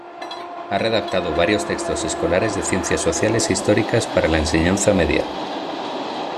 Ha redactado varios textos escolares de Ciencias Sociales e Históricas para la enseñanza media.